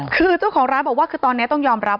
คือเจ้าของร้านบอกว่าคือตอนนี้ต้องยอมรับ